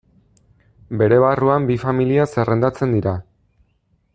Bere barruan bi familia zerrendatzen dira.